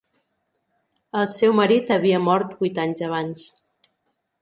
El seu marit havia mort vuit anys abans.